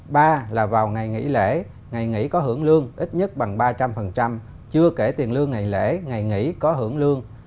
ba là vào ngày nghỉ lễ ngày nghỉ có hưởng lương ít nhất bằng ba trăm linh chưa kể tiền lương ngày lễ ngày nghỉ có hưởng lương